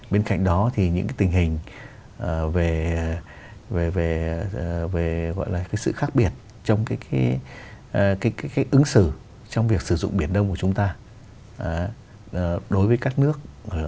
bên cạnh đó thì những cái tình hình về gọi là sự khác biệt trong ứng xử trong việc sử dụng biển đông của chúng ta đối với các nước